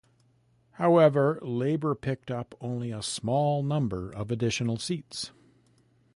However, Labor picked up only a small number of additional seats.